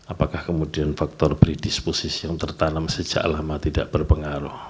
apakah kemudian faktor predisposisi yang tertanam sejak lama tidak berpengaruh